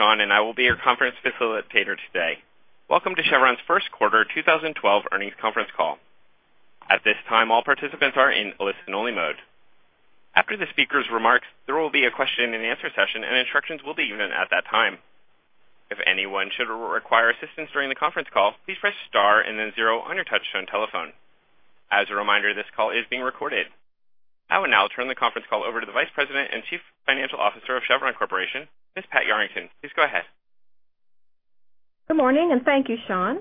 This is Sean, and I will be your conference facilitator today. Welcome to Chevron's First Quarter 2012 Earnings Conference Call. At this time, all participants are in listen-only mode. After the speaker's remarks, there will be a question and answer session, and instructions will be given at that time. If anyone should require assistance during the conference call, please press star and then zero on your touch-tone telephone. As a reminder, this call is being recorded. I will now turn the conference call over to the Vice President and Chief Financial Officer of Chevron Corporation, Ms. Pat Yarrington. Please go ahead. Good morning, and thank you, Sean.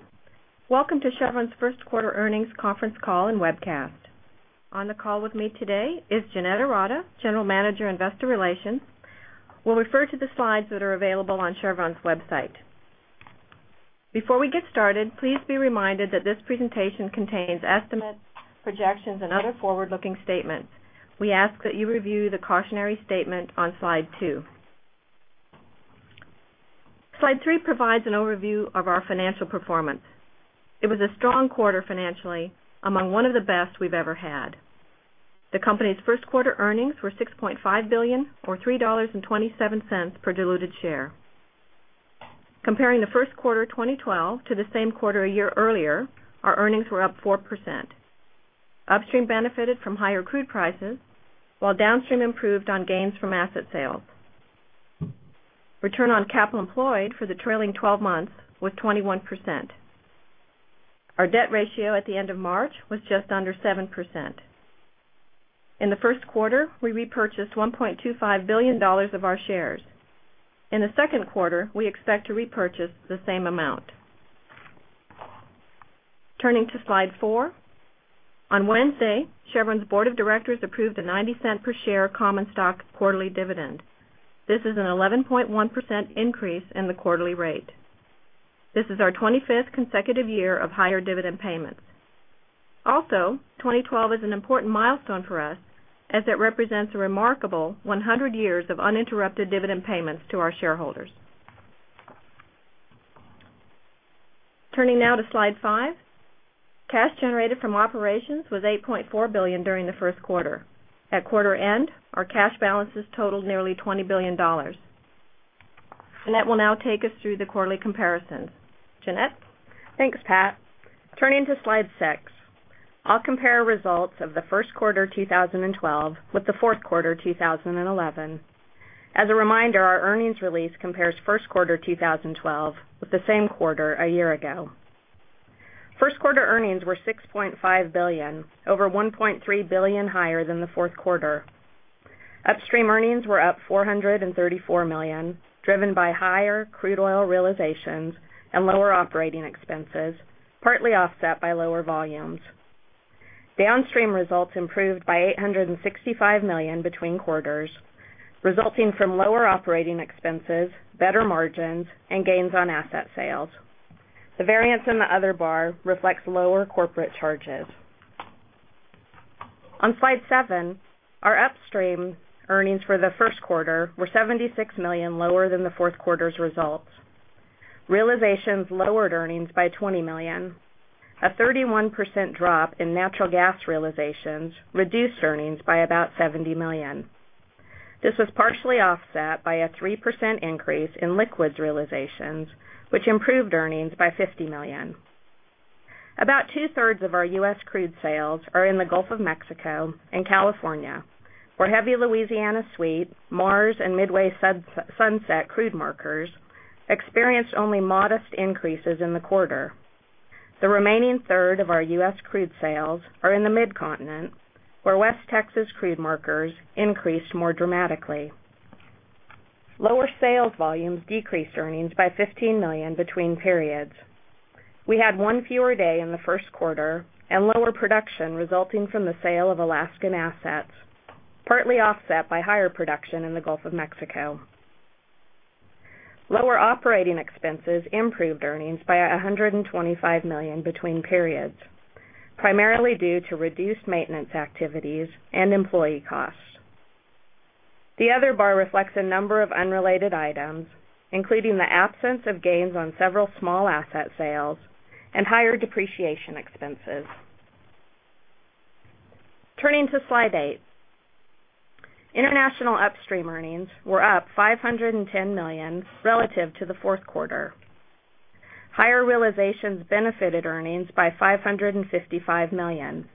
Welcome to Chevron's First Quarter Earnings Conference Call and Webcast. On the call with me today is Jeanette Ourada, General Manager of Investor Relations. We'll refer to the slides that are available on Chevron's website. Before we get started, please be reminded that this presentation contains estimates, projections, and other forward-looking statements. We ask that you review the cautionary statement on slide two. Slide three provides an overview of our financial performance. It was a strong quarter financially, among one of the best we've ever had. The company's first quarter earnings were $6.5 billion, or $3.27/diluted share. Comparing the first quarter of 2012 to the same quarter a year earlier, our earnings were up 4%. Upstream benefited from higher crude prices, while downstream improved on gains from asset sales. Return on capital employed for the trailing 12 months was 21%. Our debt ratio at the end of March was just under 7%. In the first quarter, we repurchased $1.25 billion of our shares. In the second quarter, we expect to repurchase the same amount. Turning to slide four, on Wednesday, Chevron's board of directors approved a $0.90/share common stock quarterly dividend. This is an 11.1% increase in the quarterly rate. This is our 25th consecutive year of higher dividend payments. Also, 2012 is an important milestone for us, as it represents a remarkable 100 years of uninterrupted dividend payments to our shareholders. Turning now to slide five, cash generated from operations was $8.4 billion during the first quarter. At quarter end, our cash balances totaled nearly $20 billion. Jeanette will now take us through the quarterly comparisons. Jeanette? Thanks, Pat. Turning to slide six, I'll compare results of the first quarter of 2012 with the fourth quarter of 2011. As a reminder, our earnings release compares first quarter of 2012 with the same quarter a year ago. First quarter earnings were $6.5 billion, over $1.3 billion higher than the fourth quarter. Upstream earnings were up $434 million, driven by higher crude oil realizations and lower operating expenses, partly offset by lower volumes. Downstream results improved by $865 million between quarters, resulting from lower operating expenses, better margins, and gains on asset sales. The variance in the other bar reflects lower corporate charges. On slide seven, our upstream earnings for the first quarter were $76 million lower than the fourth quarter's results. Realizations lowered earnings by $20 million. A 31% drop in natural gas realizations reduced earnings by about $70 million. This was partially offset by a 3% increase in liquids realizations, which improved earnings by $50 million. About two-thirds of our U.S. crude sales are in the Gulf of Mexico and California, where Heavy Louisiana Sweet, Mars, and Midway Sunset crude markers experienced only modest increases in the quarter. The remaining third of our U.S. crude sales are in the Midcontinent, where West Texas crude markers increased more dramatically. Lower sales volumes decreased earnings by $15 million between periods. We had one fewer day in the first quarter and lower production resulting from the sale of Alaskan assets, partly offset by higher production in the Gulf of Mexico. Lower operating expenses improved earnings by $125 million between periods, primarily due to reduced maintenance activities and employee costs. The other bar reflects a number of unrelated items, including the absence of gains on several small asset sales and higher depreciation expenses. Turning to slide eight, international upstream earnings were up $510 million relative to the fourth quarter. Higher realizations benefited earnings by $555 million.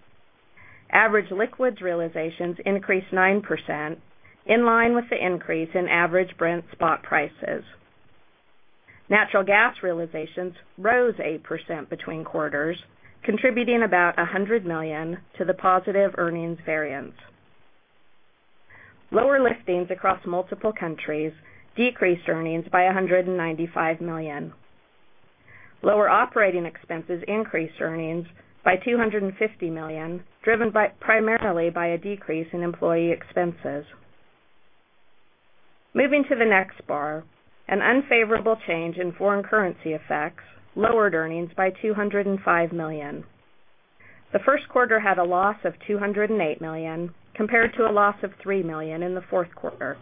Average liquids realizations increased 9%, in line with the increase in average Brent spot prices. Natural gas realizations rose 8% between quarters, contributing about $100 million to the positive earnings variance. Lower liftings across multiple countries decreased earnings by $195 million. Lower operating expenses increased earnings by $250 million, driven primarily by a decrease in employee expenses. Moving to the next bar, an unfavorable change in foreign currency effects lowered earnings by $205 million. The first quarter had a loss of $208 million, compared to a loss of $3 million in the fourth quarter.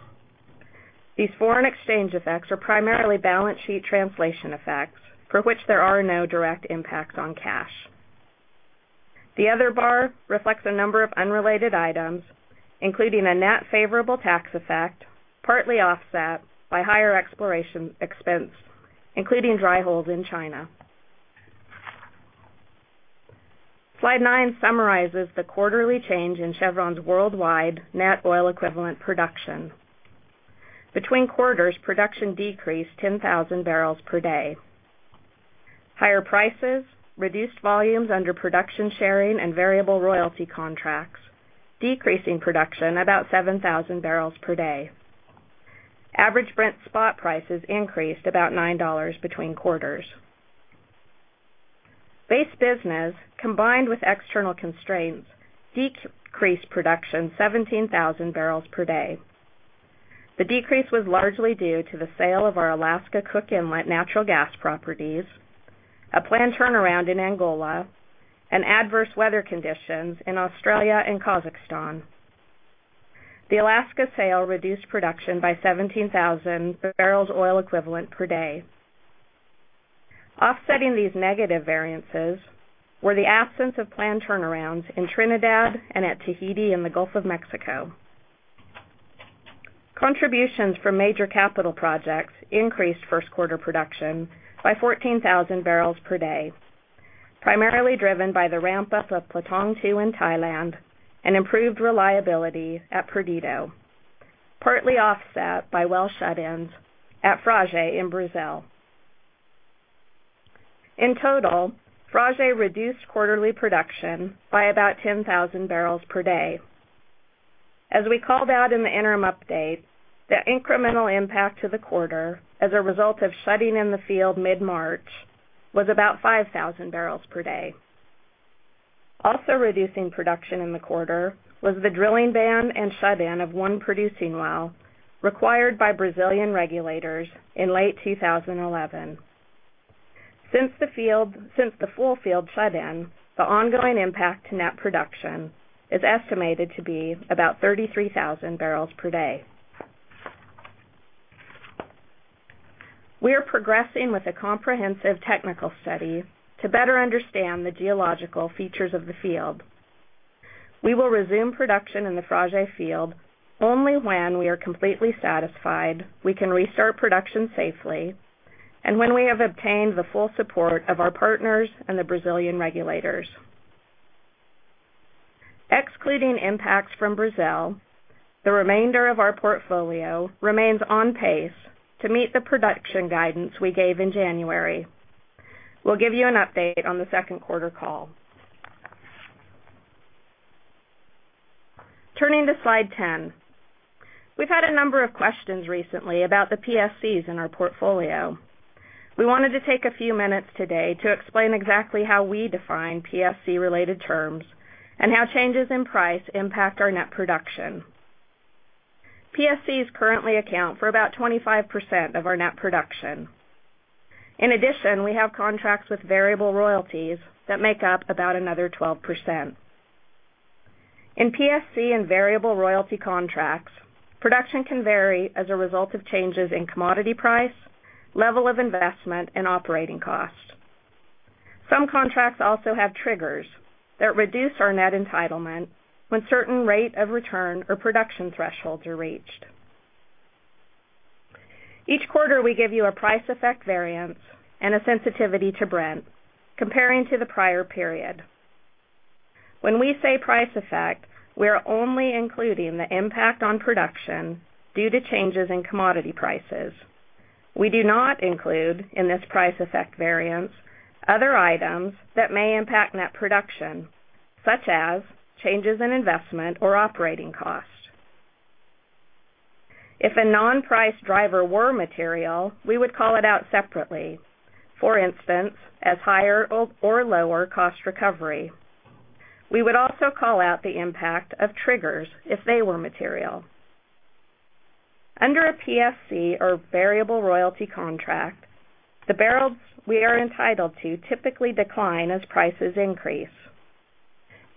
These foreign exchange effects are primarily balance sheet translation effects, for which there are no direct impacts on cash. The other bar reflects a number of unrelated items, including a net favorable tax effect, partly offset by higher exploration expense, including dry holes in China. Slide nine summarizes the quarterly change in Chevron's worldwide net oil equivalent production. Between quarters, production decreased 10,000 bblpd. Higher prices, reduced volumes under production sharing and variable royalty contracts, decreasing production about 7,000 bblpd. Average Brent spot prices increased about $9 between quarters. Base business, combined with external constraints, decreased production 17,000 bblpd. The decrease was largely due to the sale of our Alaska Cook Inlet natural gas properties, a planned turnaround in Angola, and adverse weather conditions in Australia and Kazakhstan. The Alaska sale reduced production by 17,000 bbl oil equivalent per day. Offsetting these negative variances were the absence of planned turnarounds in Trinidad and at Tahiti in the Gulf of Mexico. Contributions from major capital projects increased first quarter production by 14,000 bblpd, primarily driven by the ramp-up of Platong II in Thailand and improved reliability at Perdido, partly offset by well shut-ins at Frade in Brazil. In total, Frade reduced quarterly production by about 10,000 bblpd. As we called out in the interim update, the incremental impact to the quarter as a result of shutting in the field mid-March was about 5,000 bblpd. Also reducing production in the quarter was the drilling ban and shut-in of one producing well required by Brazilian regulators in late 2011. Since the full field shut-in, the ongoing impact to net production is estimated to be about 33,000 bblpd. We are progressing with a comprehensive technical study to better understand the geological features of the field. We will resume production in the Frade field only when we are completely satisfied we can restart production safely, and when we have obtained the full support of our partners and the Brazilian regulators. Excluding impacts from Brazil, the remainder of our portfolio remains on pace to meet the production guidance we gave in January. We'll give you an update on the second quarter call. Turning to slide 10, we've had a number of questions recently about the PSCs in our portfolio. We wanted to take a few minutes today to explain exactly how we define PSC-related terms and how changes in price impact our net production. PSCs currently account for about 25% of our net production. In addition, we have contracts with variable royalties that make up about another 12%. In PSC and variable royalty contracts, production can vary as a result of changes in commodity price, level of investment, and operating cost. Some contracts also have triggers that reduce our net entitlement when certain rate of return or production thresholds are reached. Each quarter, we give you a price effect variance and a sensitivity to Brent, comparing to the prior period. When we say price effect, we are only including the impact on production due to changes in commodity prices. We do not include in this price effect variance other items that may impact net production, such as changes in investment or operating cost. If a non-price driver were material, we would call it out separately, for instance, as higher or lower cost recovery. We would also call out the impact of triggers if they were material. Under a PSC or variable royalty contract, the bbl we are entitled to typically decline as prices increase.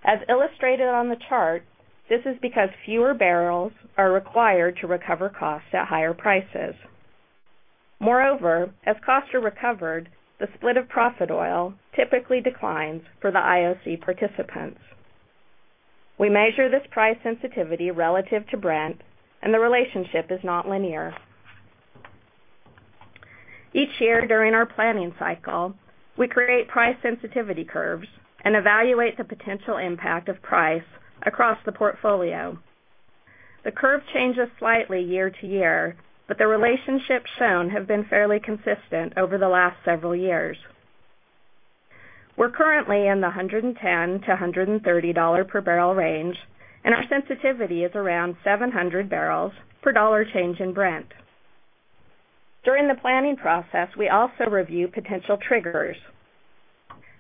As illustrated on the chart, this is because fewer bbl are required to recover costs at higher prices. Moreover, as costs are recovered, the split of profit oil typically declines for the IOC participants. We measure this price sensitivity relative to Brent, and the relationship is not linear. Each year during our planning cycle, we create price sensitivity curves and evaluate the potential impact of price across the portfolio. The curve changes slightly year to year, but the relationships shown have been fairly consistent over the last several years. We're currently in the $110-$130 per bbl range, and our sensitivity is around 700 bbl/dollar change in Brent. During the planning process, we also review potential triggers.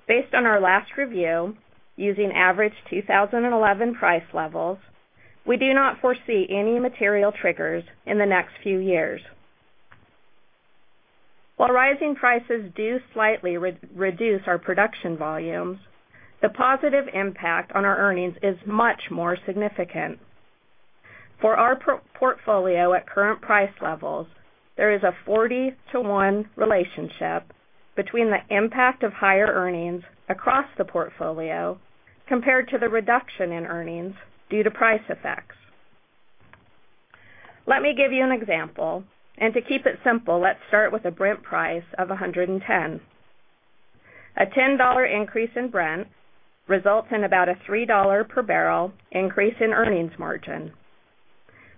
Based on our last review, using average 2011 price levels, we do not foresee any material triggers in the next few years. While rising prices do slightly reduce our production volumes, the positive impact on our earnings is much more significant. For our portfolio at current price levels, there is a 40 to 1 relationship between the impact of higher earnings across the portfolio compared to the reduction in earnings due to price effects. Let me give you an example, and to keep it simple, let's start with a Brent price of $110. A $10 increase in Brent results in about a $3/bbl increase in earnings margin.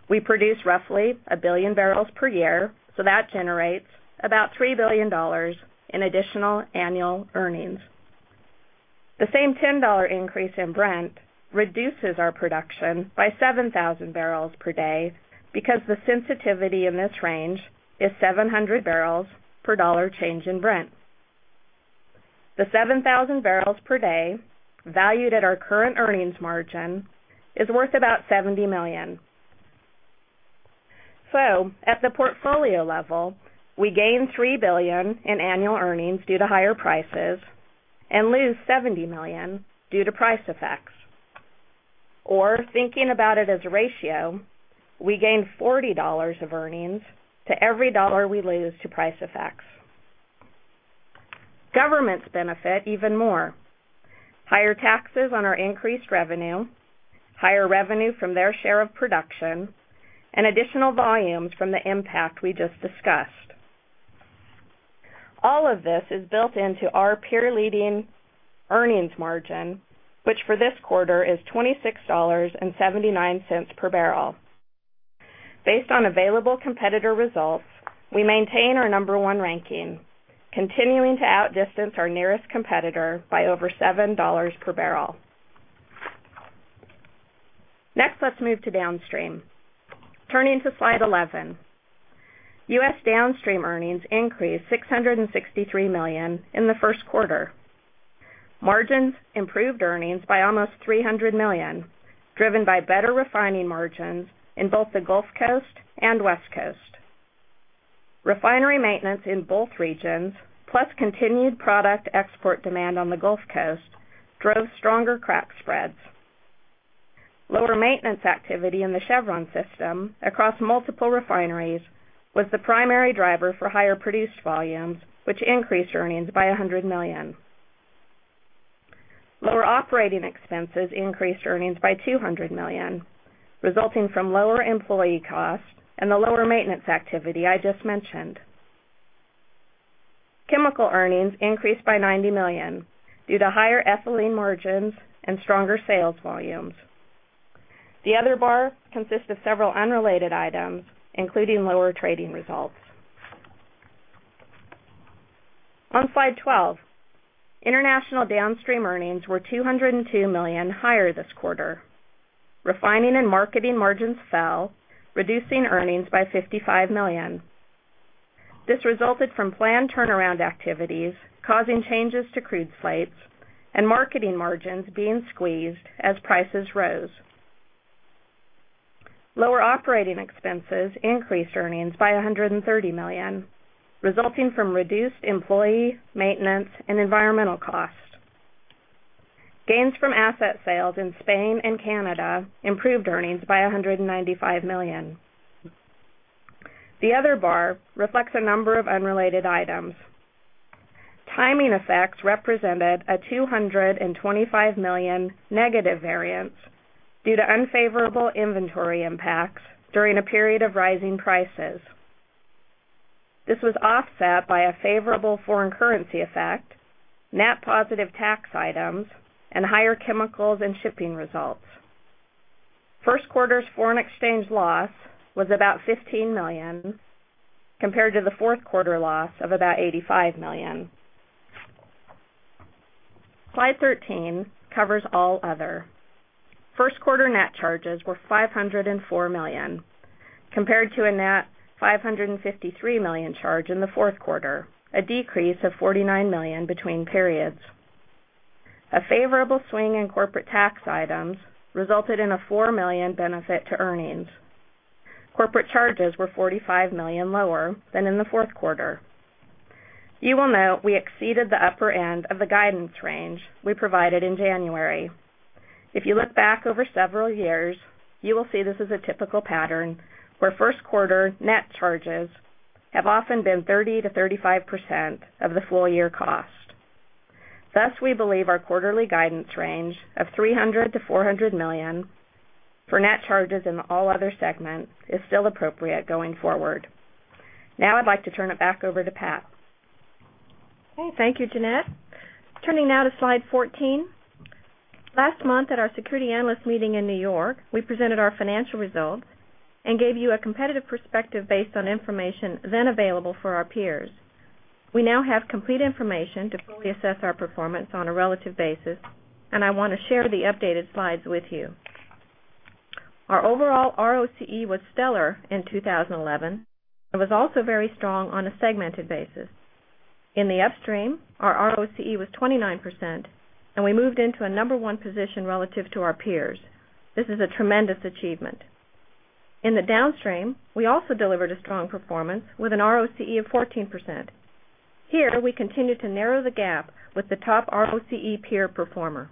We produce roughly a billion bbl per year, so that generates about $3 billion in additional annual earnings. The same $10 increase in Brent reduces our production by 7,000 bblpd because the sensitivity in this range is 700 bbl/dollar change in Brent. The 7,000 bblpd per day valued at our current earnings margin is worth about $70 million. At the portfolio level, we gain $3 billion in annual earnings due to higher prices and lose $70 million due to price effects. Thinking about it as a ratio, we gain $40 of earnings to every dollar we lose to price effects. Governments benefit even more: higher taxes on our increased revenue, higher revenue from their share of production, and additional volumes from the impact we just discussed. All of this is built into our peer-leading earnings margin, which for this quarter is $26.79 per bbl. Based on available competitor results, we maintain our number one ranking, continuing to outdistance our nearest competitor by over $7/bbl. Next, let's move to downstream. Turning to slide 11, U.S. downstream earnings increased $663 million in the first quarter. Margins improved earnings by almost $300 million, driven by better refining margins in both the Gulf Coast and West Coast. Refinery maintenance in both regions, plus continued product export demand on the Gulf Coast, drove stronger crack spreads. Lower maintenance activity in the Chevron system across multiple refineries was the primary driver for higher produced volumes, which increased earnings by $100 million. Lower operating expenses increased earnings by $200 million, resulting from lower employee costs and the lower maintenance activity I just mentioned. Chemical earnings increased by $90 million due to higher ethylene margins and stronger sales volumes. The other bar consists of several unrelated items, including lower trading results. On slide 12, international downstream earnings were $202 million higher this quarter. Refining and marketing margins fell, reducing earnings by $55 million. This resulted from planned turnaround activities causing changes to crude slates and marketing margins being squeezed as prices rose. Lower operating expenses increased earnings by $130 million, resulting from reduced employee, maintenance, and environmental costs. Gains from asset sales in Spain and Canada improved earnings by $195 million. The other bar reflects a number of unrelated items. Timing effects represented a $225 million- variance due to unfavorable inventory impacts during a period of rising prices. This was offset by a favorable foreign currency effect, net positive tax items, and higher chemicals and shipping results. First quarter's foreign exchange loss was about $15 million, compared to the fourth quarter loss of about $85 million. Slide 13 covers all other. First quarter net charges were $504 million, compared to a net $553 million charge in the fourth quarter, a decrease of $49 million between periods. A favorable swing in corporate tax items resulted in a $4 million benefit to earnings. Corporate charges were $45 million lower than in the fourth quarter. You will note we exceeded the upper end of the guidance range we provided in January. If you look back over several years, you will see this is a typical pattern where first quarter net charges have often been 30%-35% of the full year cost. Thus, we believe our quarterly guidance range of $300 million-$400 million for net charges in all other segments is still appropriate going forward. Now I'd like to turn it back over to Pat. Thank you, Jeanette. Turning now to slide 14. Last month at our Security Analyst Meeting in New York, we presented our financial results and gave you a competitive perspective based on information then available for our peers. We now have complete information to fully assess our performance on a relative basis, and I want to share the updated slides with you. Our overall ROCE was stellar in 2011 and was also very strong on a segmented basis. In the upstream, our ROCE was 29%, and we moved into a number one position relative to our peers. This is a tremendous achievement. In the downstream, we also delivered a strong performance with an ROCE of 14%. Here, we continue to narrow the gap with the top ROCE peer performer.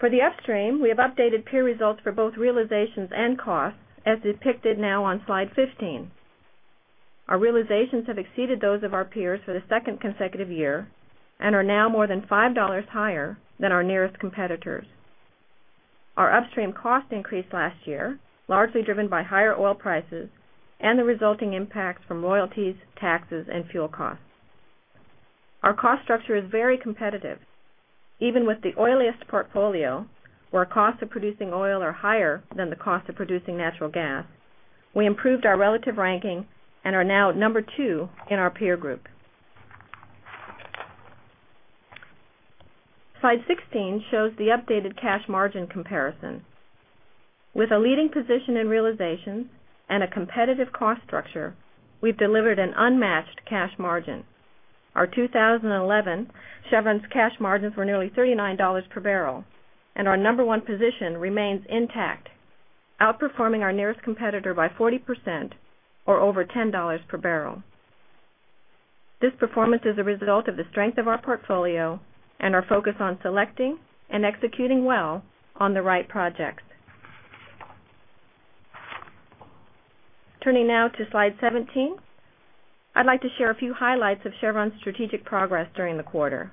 For the upstream, we have updated peer results for both realizations and costs, as depicted now on slide 15. Our realizations have exceeded those of our peers for the second consecutive year and are now more than $5 higher than our nearest competitors. Our upstream cost increased last year, largely driven by higher oil prices and the resulting impacts from royalties, taxes, and fuel costs. Our cost structure is very competitive. Even with the oiliest portfolio, where costs of producing oil are higher than the cost of producing natural gas, we improved our relative ranking and are now number two in our peer group. Slide 16 shows the updated cash margin comparison. With a leading position in realizations and a competitive cost structure, we've delivered an unmatched cash margin. Our 2011 Chevron's cash margins were nearly $39/bbl, and our number one position remains intact, outperforming our nearest competitor by 40%, or over $10/bbl. This performance is a result of the strength of our portfolio and our focus on selecting and executing well on the right projects. Turning now to slide 17, I'd like to share a few highlights of Chevron's strategic progress during the quarter.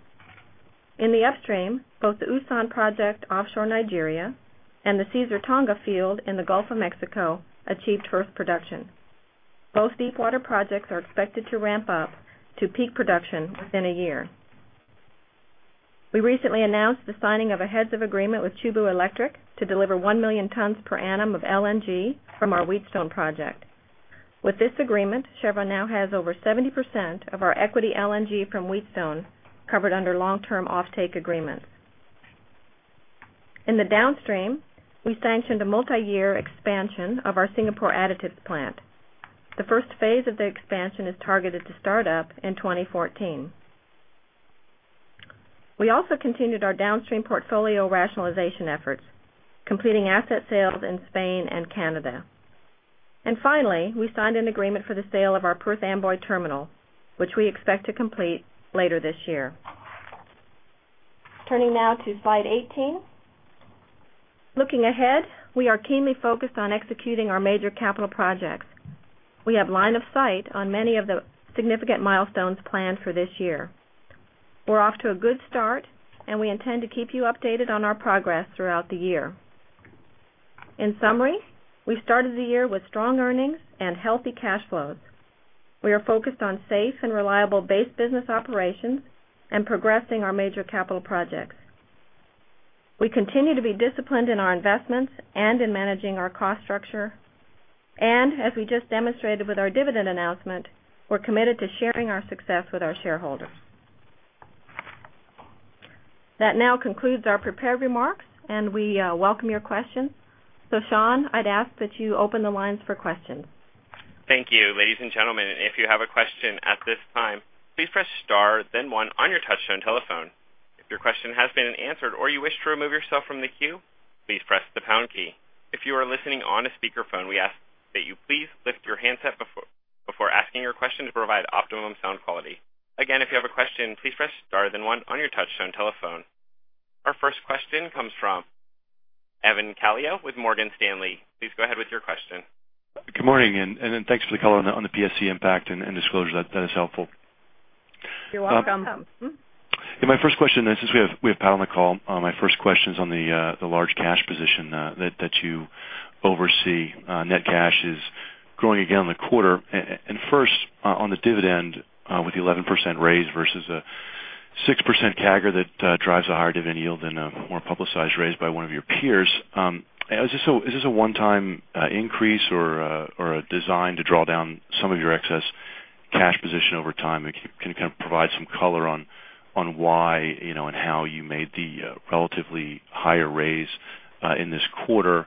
In the upstream, both the USAN project offshore Nigeria and the Caesar Tonga field in the Gulf of Mexico achieved first production. Both deepwater projects are expected to ramp up to peak production within a year. We recently announced the signing of a heads-up agreement with Chubu Electric to deliver 1 million tons per annum of LNG from our Wheatstone project. With this agreement, Chevron now has over 70% of our equity LNG from Wheatstone covered under long-term offtake agreements. In the downstream, we sanctioned a multi-year expansion of our Singapore Additives plant. The first phase of the expansion is targeted to start up in 2014. We also continued our downstream portfolio rationalization efforts, completing asset sales in Spain and Canada. Finally, we signed an agreement for the sale of our Perth Amboy terminal, which we expect to complete later this year. Turning now to slide 18. Looking ahead, we are keenly focused on executing our major capital projects. We have line of sight on many of the significant milestones planned for this year. We're off to a good start, and we intend to keep you updated on our progress throughout the year. In summary, we started the year with strong earnings and healthy cash flows. We are focused on safe and reliable base business operations and progressing our major capital projects. We continue to be disciplined in our investments and in managing our cost structure. As we just demonstrated with our dividend announcement, we're committed to sharing our success with our shareholders. That now concludes our prepared remarks, and we welcome your questions. Sean, I'd ask that you open the lines for questions. Thank you, ladies and gentlemen. If you have a question at this time, please press star then one on your touch-tone telephone. If your question has been answered or you wish to remove yourself from the queue, please press the pound key. If you are listening on a speakerphone, we ask that you please lift your handset before asking your question to provide optimum sound quality. Again, if you have a question, please press star then one on your touch-tone telephone. Our first question comes from Evan Calio with Morgan Stanley. Please go ahead with your question. Good morning, and thanks for the call on the PSC impact and disclosure. That is helpful. You're welcome. My first question is, since we have Pat on the call, my first question is on the large cash position that you oversee. Net cash is growing again in the quarter, and first on the dividend with the 11% raise versus a 6% CAGR that drives a higher dividend yield and a more publicized raise by one of your peers. Is this a one-time increase or a design to draw down some of your excess cash position over time? Can you kind of provide some color on why and how you made the relatively higher raise in this quarter?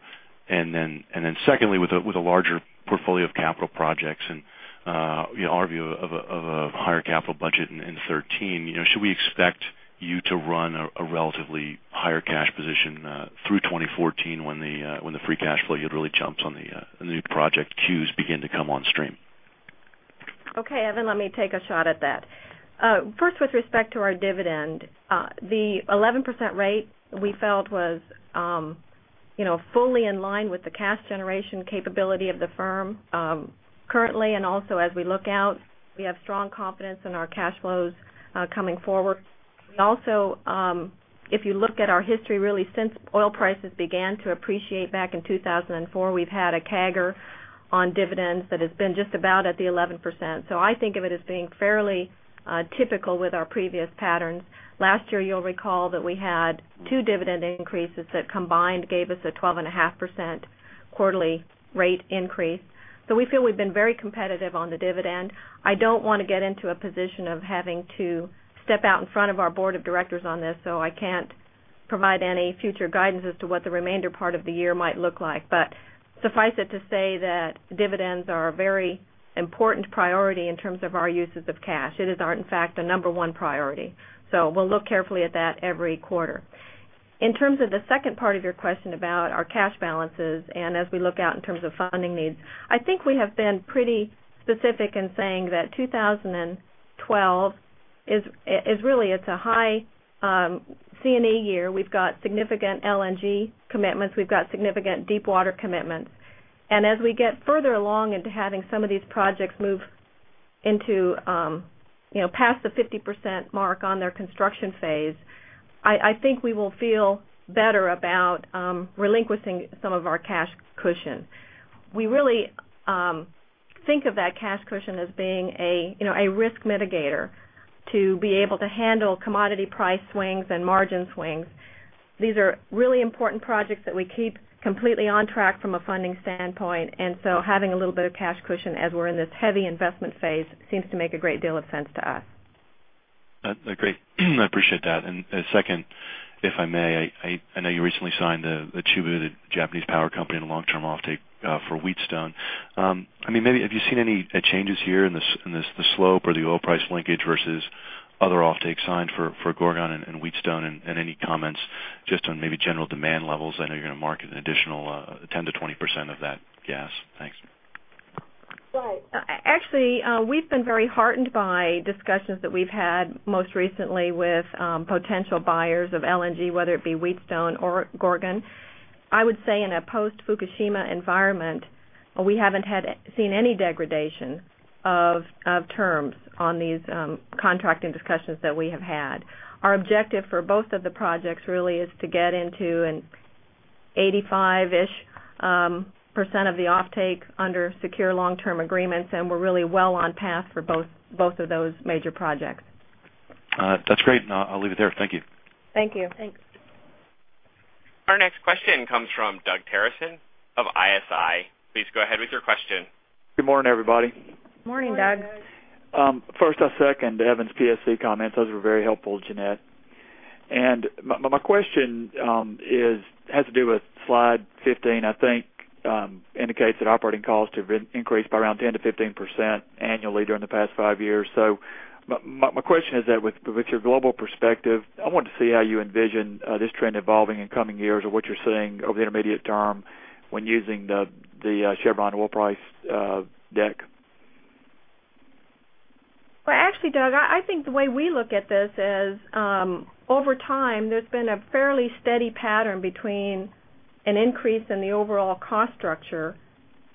Secondly, with a larger portfolio of capital projects and our view of a higher capital budget in 2013, should we expect you to run a relatively higher cash position through 2014 when the free cash flow yield really jumps as the new project queues begin to come on stream? Okay, Evan, let me take a shot at that. First, with respect to our dividend, the 11% rate we felt was fully in line with the cash generation capability of the firm currently, and also as we look out, we have strong confidence in our cash flows coming forward. Also, if you look at our history, really since oil prices began to appreciate back in 2004, we've had a CAGR on dividends that has been just about at the 11%. I think of it as being fairly typical with our previous patterns. Last year, you'll recall that we had two dividend increases that combined gave us a 12.5% quarterly rate increase. We feel we've been very competitive on the dividend. I don't want to get into a position of having to step out in front of our Board of Directors on this, so I can't provide any future guidance as to what the remainder part of the year might look like. Suffice it to say that dividends are a very important priority in terms of our uses of cash. It is, in fact, the number one priority. We'll look carefully at that every quarter. In terms of the second part of your question about our cash balances, and as we look out in terms of funding needs, I think we have been pretty specific in saying that 2012 is really a high C&E year. We've got significant LNG commitments. We've got significant deepwater commitments. As we get further along into having some of these projects move past the 50% mark on their construction phase, I think we will feel better about relinquishing some of our cash cushion. We really think of that cash cushion as being a risk mitigator to be able to handle commodity price swings and margin swings. These are really important projects that we keep completely on track from a funding standpoint. Having a little bit of cash cushion as we're in this heavy investment phase seems to make a great deal of sense to us. I agree. I appreciate that. Second, if I may, I know you recently signed the Chubu Electric, the Japanese power company, in a long-term offtake for Wheatstone. Have you seen any changes here in the slope or the oil price linkage versus other offtakes signed for Gorgon and Wheatstone, and any comments just on maybe general demand levels? I know you're going to market an additional 10%-20% of that gas. Thanks. Right. Actually, we've been very heartened by discussions that we've had most recently with potential buyers of LNG, whether it be Wheatstone or Gorgon. I would say in a post-Fukushima environment, we haven't seen any degradation of terms on these contracting discussions that we have had. Our objective for both of the projects really is to get into an 85% of the offtake under secure long-term agreements, and we're really well on path for both of those major projects. That's great. I'll leave it there. Thank you. Thank you. Thanks. Our next question comes from Doug Terreson of ISI. Please go ahead with your question. Good morning, everybody. Morning, Doug. First, I'll second Evan's PSC comments. Those were very helpful, Jeanette. My question has to do with slide 15. I think it indicates that operating costs have increased by around 10%-15% annually during the past five years. My question is that with your global perspective, I want to see how you envision this trend evolving in coming years or what you're seeing over the intermediate term when using the Chevron oil price deck. Doug, I think the way we look at this is over time, there's been a fairly steady pattern between an increase in the overall cost structure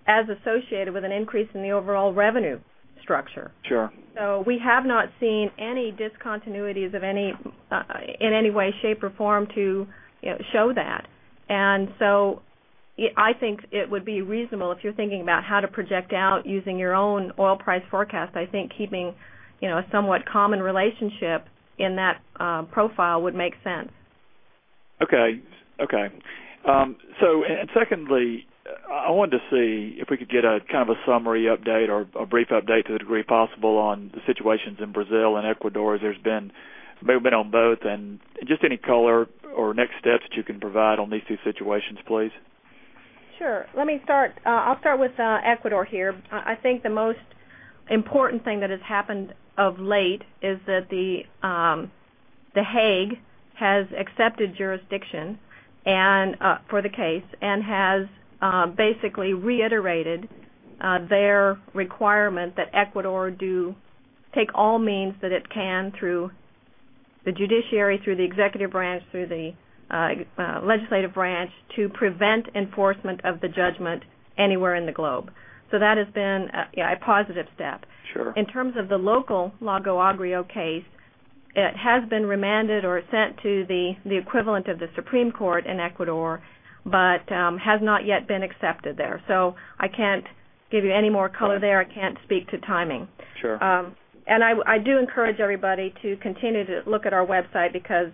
as associated with an increase in the overall revenue structure. Sure. We have not seen any discontinuities in any way, shape, or form to show that. I think it would be reasonable if you're thinking about how to project out using your own oil price forecast. I think keeping a somewhat common relationship in that profile would make sense. Okay. Secondly, I wanted to see if we could get kind of a summary update or a brief update to the degree possible on the situations in Brazil and Ecuador, as there's been movement on both, and just any color or next steps that you can provide on these two situations, please. Sure. Let me start. I'll start with Ecuador here. I think the most important thing that has happened of late is that the Hague has accepted jurisdiction for the case and has basically reiterated their requirement that Ecuador do take all means that it can through the judiciary, through the executive branch, through the legislative branch to prevent enforcement of the judgment anywhere in the globe. That has been a positive step. In terms of the local Lago Agrio case, it has been remanded or sent to the equivalent of the Supreme Court in Ecuador, but has not yet been accepted there. I can't give you any more color there. I can't speak to timing. Sure. I encourage everybody to continue to look at our website because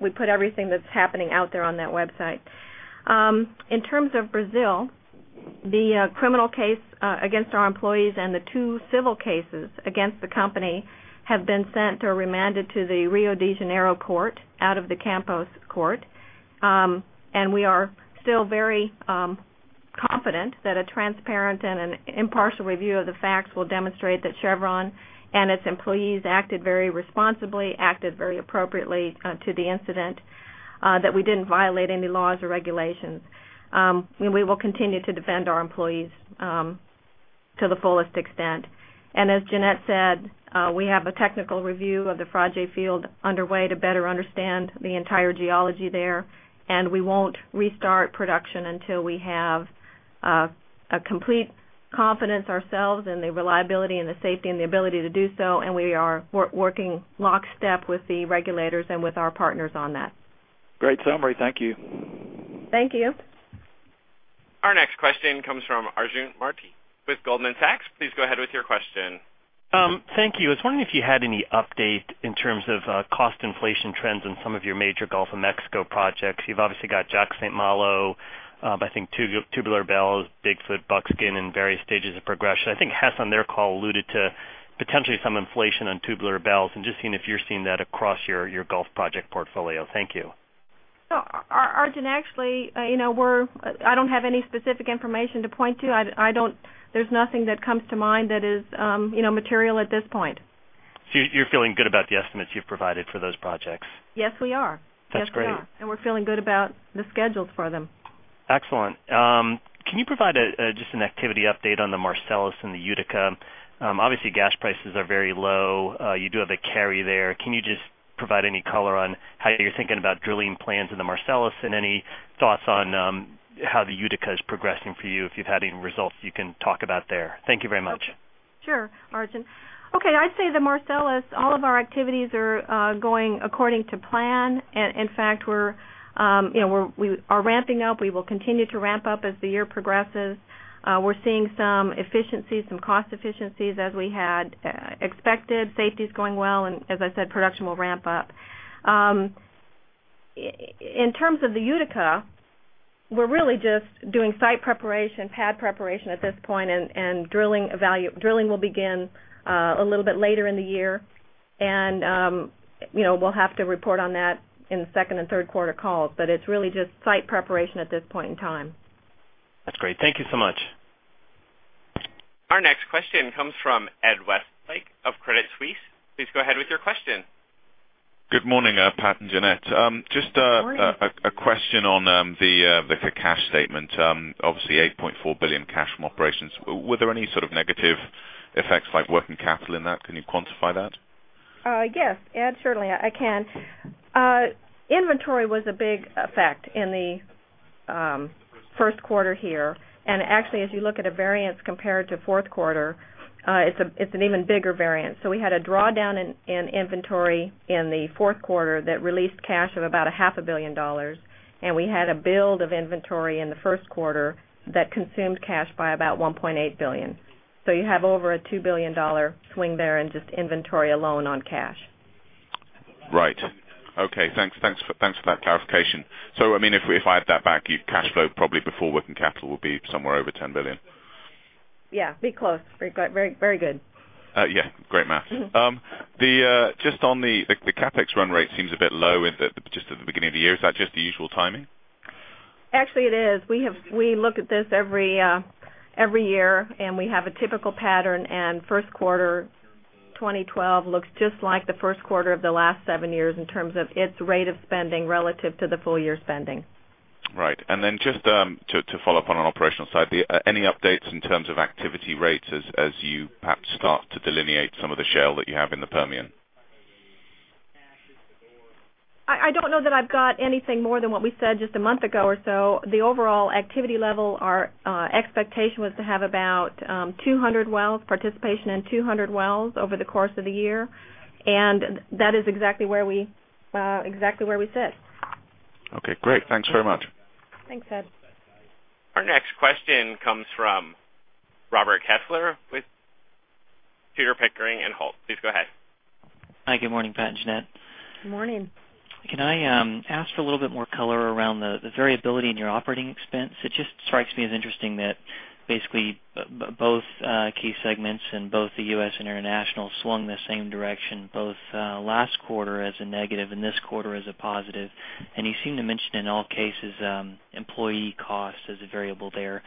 we put everything that's happening out there on that website. In terms of Brazil, the criminal case against our employees and the two civil cases against the company have been sent or remanded to the Rio de Janeiro court out of the Campos court. We are still very confident that a transparent and impartial review of the facts will demonstrate that Chevron and its employees acted very responsibly, acted very appropriately to the incident, that we didn't violate any laws or regulations. We will continue to defend our employees to the fullest extent. As Jeanette said, we have a technical review of the FRAGE field underway to better understand the entire geology there. We won't restart production until we have complete confidence ourselves in the reliability and the safety and the ability to do so. We are working lockstep with the regulators and with our partners on that. Great summary. Thank you. Thank you. Our next question comes from Arjun Murti with Goldman Sachs. Please go ahead with your question. Thank you. I was wondering if you had any update in terms of cost inflation trends on some of your major Gulf of Mexico projects. You've obviously got Jack St. Malo, I think Tubular Bells, Big Foot, Buckskin, and various stages of progression. I think Hess on their call alluded to potentially some inflation on Tubular Bells and just seeing if you're seeing that across your Gulf project portfolio. Thank you. No, Arjun, actually, I don't have any specific information to point to. There's nothing that comes to mind that is material at this point. You're feeling good about the estimates you've provided for those projects? Yes, we are. That's great. We're feeling good about the schedules for them. Excellent. Can you provide just an activity update on the Marcellus and the Utica? Obviously, gas prices are very low. You do have a carry there. Can you just provide any color on how you're thinking about drilling plans in the Marcellus and any thoughts on how the Utica is progressing for you? If you've had any results, you can talk about there. Thank you very much. Sure, Arjun. Okay, I'd say the Marcellus, all of our activities are going according to plan. In fact, we are ramping up. We will continue to ramp up as the year progresses. We're seeing some efficiencies, some cost efficiencies as we had expected. Safety is going well. As I said, production will ramp up. In terms of the Utica, we're really just doing site preparation, pad preparation at this point, and drilling will begin a little bit later in the year. We'll have to report on that in the second and third quarter calls. It's really just site preparation at this point in time. That's great. Thank you so much. Our next question comes from Ed Westlake of Credit Suisse. Please go ahead with your question. Good morning, Pat and Jeanette. Good morning. Just a question on the cash statement. Obviously, $8.4 billion cash from operations. Were there any sort of negative effects like working capital in that? Can you quantify that? Yes, Ed, certainly I can. Inventory was a big effect in the first quarter here. Actually, as you look at a variance compared to the fourth quarter, it's an even bigger variance. We had a drawdown in inventory in the fourth quarter that released cash of about $0.5 billion, and we had a build of inventory in the first quarter that consumed cash by about $1.8 billion. You have over a $2 billion swing there in just inventory alone on cash. Right. Okay, thanks for that clarification. If I add that back, your cash flow probably before working capital will be somewhere over $10 billion. Yeah, pretty close. Very good. Yeah, great math. Just on the CapEx run rate, it seems a bit low just at the beginning of the year. Is that just the usual timing? Actually, it is. We look at this every year, and we have a typical pattern. First quarter 2012 looks just like the first quarter of the last seven years in terms of its rate of spending relative to the full year spending. Right. Just to follow up on an operational side, any updates in terms of activity rates as you perhaps start to delineate some of the shale that you have in the Permian? I don't know that I've got anything more than what we said just a month ago or so. The overall activity level, our expectation was to have about 200 wells, participation in 200 wells over the course of the year. That is exactly where we sit. Okay, great. Thanks very much. Thanks, Ed. Our next question comes from Robert Kessler with Tudor Pickering and Holt. Please go ahead. Hi, good morning, Pat and Jeanette. Good morning. Can I ask for a little bit more color around the variability in your operating expense? It just strikes me as interesting that basically both key segments in both the U.S. and international swung the same direction, both last quarter as a negative and this quarter as a positive. You seem to mention in all cases employee cost as a variable there.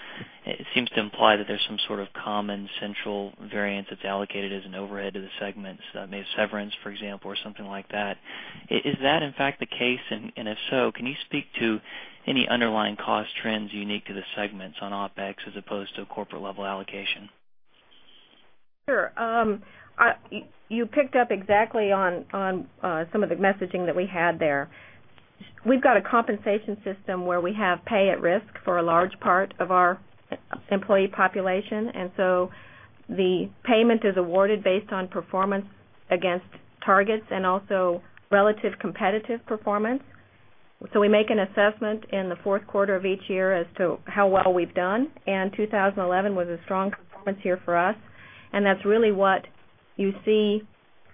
It seems to imply that there's some sort of common central variance that's allocated as an overhead to the segments, maybe severance, for example, or something like that. Is that in fact the case? If so, can you speak to any underlying cost trends unique to the segments on OpEx as opposed to a corporate level allocation? Sure. You picked up exactly on some of the messaging that we had there. We've got a compensation system where we have pay at risk for a large part of our employee population. The payment is awarded based on performance against targets and also relative competitive performance. We make an assessment in the fourth quarter of each year as to how well we've done. 2011 was a strong performance year for us, and that's really what you see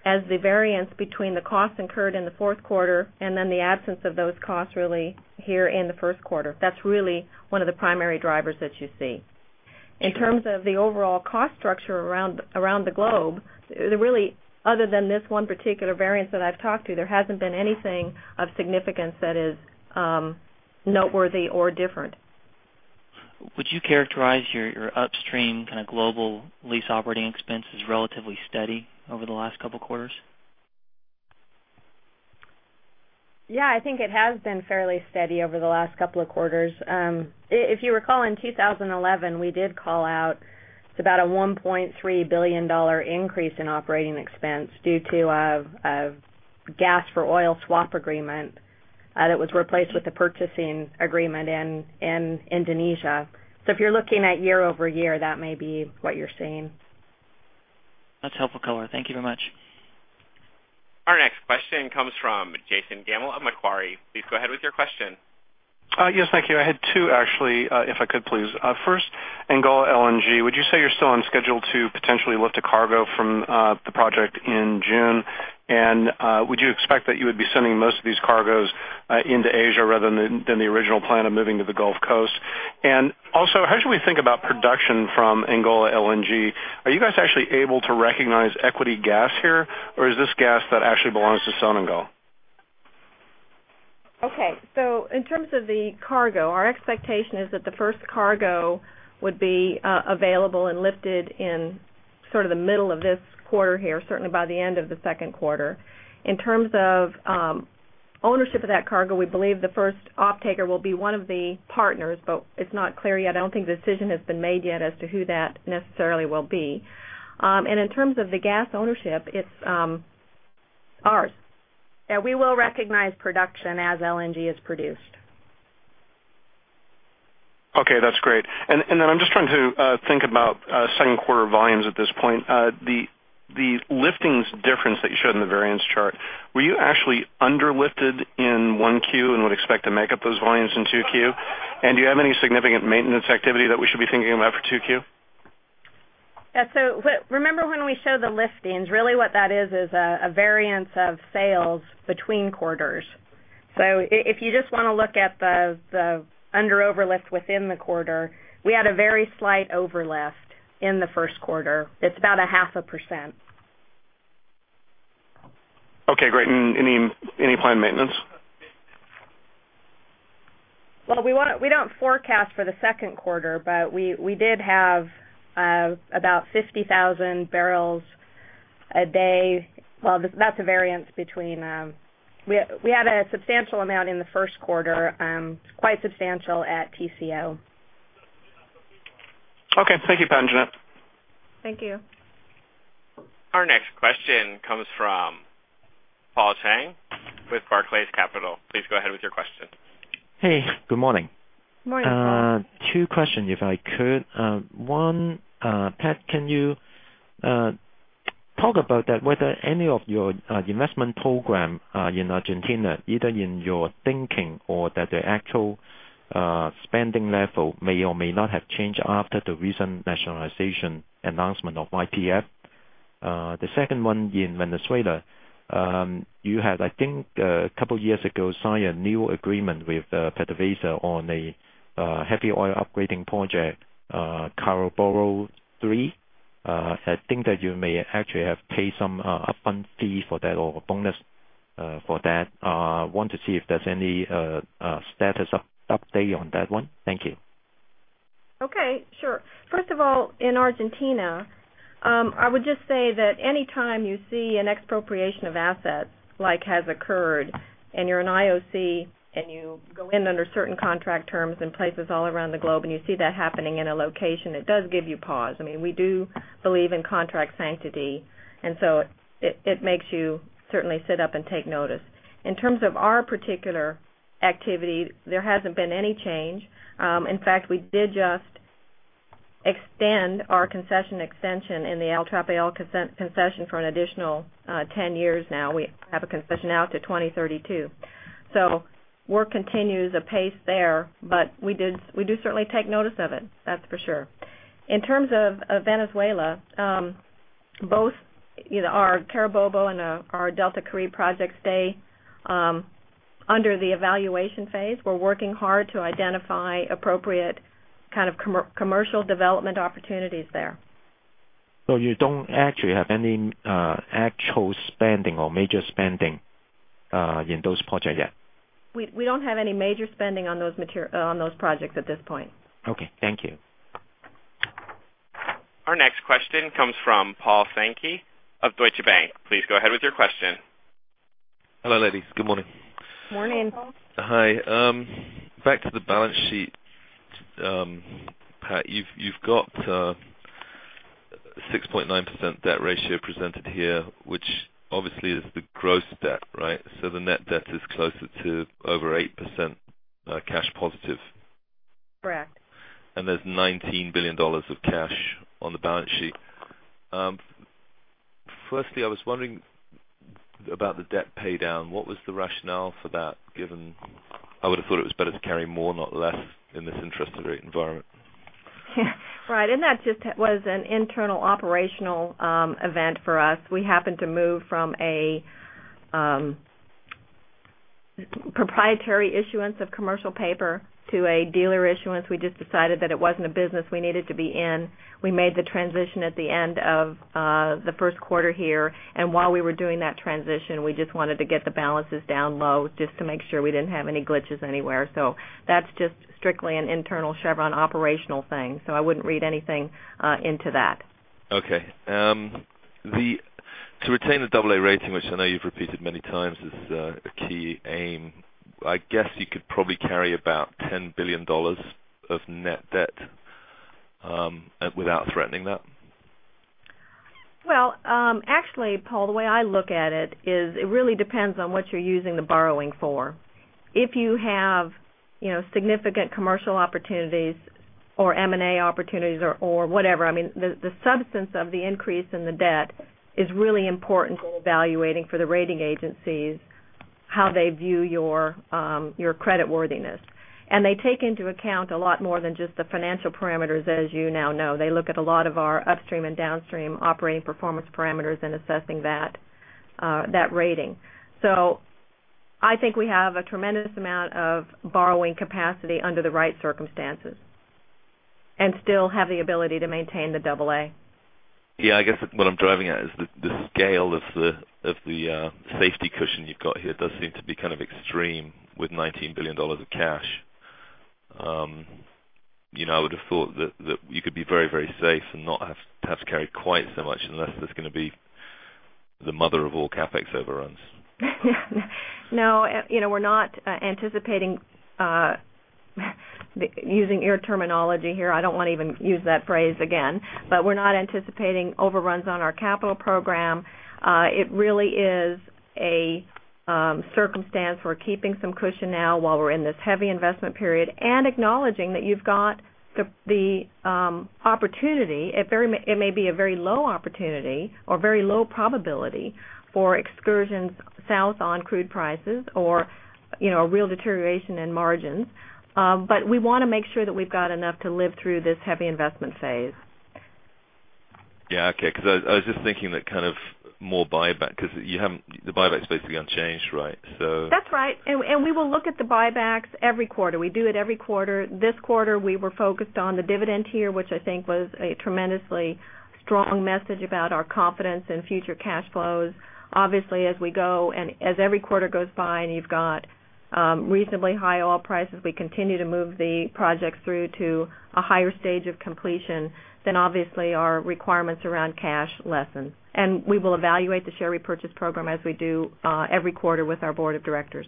as the variance between the costs incurred in the fourth quarter and then the absence of those costs here in the first quarter. That's really one of the primary drivers that you see. In terms of the overall cost structure around the globe, other than this one particular variance that I've talked to, there hasn't been anything of significance that is noteworthy or different. Would you characterize your upstream kind of global lease operating expenses relatively steady over the last couple of quarters? Yeah, I think it has been fairly steady over the last couple of quarters. If you recall, in 2011, we did call out about a $1.3 billion increase in operating expense due to a gas for oil swap agreement that was replaced with the purchasing agreement in Indonesia. If you're looking at year over year, that may be what you're seeing. That's helpful color. Thank you very much. Our next question comes from Jason Gammel of Macquarie. Please go ahead with your question. Yes, thank you. I had two, actually, if I could, please. First, Angola LNG, would you say you're still on schedule to potentially lift a cargo from the project in June? Would you expect that you would be sending most of these cargoes into Asia rather than the original plan of moving to the Gulf Coast? Also, how should we think about production from Angola LNG? Are you guys actually able to recognize equity gas here, or is this gas that actually belongs to Sonangol? Okay, in terms of the cargo, our expectation is that the first cargo would be available and lifted in the middle of this quarter, certainly by the end of the second quarter. In terms of ownership of that cargo, we believe the first offtaker will be one of the partners, but it's not clear yet. I don't think the decision has been made yet as to who that necessarily will be. In terms of the gas ownership, it's ours, and we will recognize production as LNG is produced. Okay, that's great. I'm just trying to think about second quarter volumes at this point. The liftings difference that you showed in the variance chart, were you actually underlifted in one Q and would expect to make up those volumes in two Q? Do you have any significant maintenance activity that we should be thinking about for two Q? Yeah, remember when we showed the liftings, really what that is is a variance of sales between quarters. If you just want to look at the under overlift within the quarter, we had a very slight overlift in the first quarter. It's about 0.5%. Okay, great. Any planned maintenance? We don't forecast for the second quarter, but we did have about 50,000 bblpd. That's a variance between we had a substantial amount in the first quarter, quite substantial at TCO. Okay, thank you, Pat and Jeanette. Thank you. Our next question comes from Paul Tang with Barclays Capital. Please go ahead with your question. Hey, good morning. Morning. Two questions, if I could. One, Pat, can you talk about that, whether any of your investment program in Argentina, either in your thinking or that the actual spending level may or may not have changed after the recent nationalization announcement of YTF? The second one in Venezuela, you have, I think, a couple of years ago, signed a new agreement with Puerto Vista on a heavy oil upgrading project, Caraboro III. I think that you may actually have paid some upfront fee for that or a bonus for that. I want to see if there's any status update on that one. Thank you. Okay, sure. First of all, in Argentina, I would just say that anytime you see an expropriation of assets like has occurred and you're an IOC and you go in under certain contract terms in places all around the globe and you see that happening in a location, it does give you pause. We do believe in contract sanctity, and it makes you certainly sit up and take notice. In terms of our particular activity, there hasn't been any change. In fact, we did just extend our concession extension in the El Trapal concession for an additional 10 years. Now we have a concession out to 2032. Work continues apace there, but we do certainly take notice of it, that's for sure. In terms of Venezuela, both our Carabobo and our Delta Cree projects stay under the evaluation phase. We're working hard to identify appropriate kind of commercial development opportunities there. You don't actually have any actual spending or major spending in those projects yet? We don't have any major spending on those projects at this point. Okay, thank you. Our next question comes from Paul Sankey of Deutsche Bank. Please go ahead with your question. Hello, ladies. Good morning. Morning. Hi. Back to the balance sheet, Pat, you've got a 6.9% debt ratio presented here, which obviously is the gross debt, right? The net debt is closer to over 8% cash positive. Correct. There is $19 billion of cash on the balance sheet. I was wondering about the debt paydown. What was the rationale for that, given I would have thought it was better to carry more, not less, in this interest rate environment? Right. That just was an internal operational event for us. We happened to move from a proprietary issuance of commercial paper to a dealer issuance. We just decided that it wasn't a business we needed to be in. We made the transition at the end of the first quarter here. While we were doing that transition, we just wanted to get the balances down low just to make sure we didn't have any glitches anywhere. That's just strictly an internal Chevron operational thing. I wouldn't read anything into that. Okay. Retaining the AA credit rating, which I know you've repeated many times, is a key aim. I guess you could probably carry about $10 billion of net debt without threatening that? Paul, the way I look at it is it really depends on what you're using the borrowing for. If you have significant commercial opportunities or M&A opportunities or whatever, the substance of the increase in the debt is really important for evaluating for the rating agencies how they view your creditworthiness. They take into account a lot more than just the financial parameters, as you now know. They look at a lot of our upstream and downstream operating performance parameters in assessing that rating. I think we have a tremendous amount of borrowing capacity under the right circumstances and still have the ability to maintain the AA credit rating. Yeah, I guess what I'm driving at is the scale of the safety cushion you've got here does seem to be kind of extreme with $19 billion of cash. I would have thought that you could be very, very safe and not have to carry quite so much unless there's going to be the mother of all CapEx overruns. No, you know, we're not anticipating using your terminology here. I don't want to even use that phrase again. We're not anticipating overruns on our capital program. It really is a circumstance for keeping some cushion now while we're in this heavy investment period and acknowledging that you've got the opportunity. It may be a very low opportunity or very low probability for excursions south on crude prices or a real deterioration in margins. We want to make sure that we've got enough to live through this heavy investment phase. Yeah, okay, because I was just thinking that kind of more buyback, because the buyback is basically unchanged, right? That's right. We will look at the buybacks every quarter. We do it every quarter. This quarter, we were focused on the dividend tier, which I think was a tremendously strong message about our confidence in future cash flows. Obviously, as we go and as every quarter goes by and you've got reasonably high oil prices, we continue to move the projects through to a higher stage of completion. Obviously, our requirements around cash lessen, and we will evaluate the share repurchase program as we do every quarter with our Board of Directors.